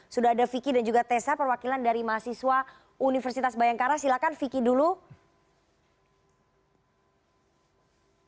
sudah ada vicky dan juga tessa perwakilan dari mahasiswa universitas bayangkara silahkan vicky dulu